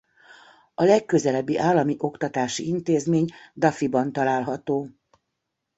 A legközelebbi állami oktatási intézmény Duffyban található.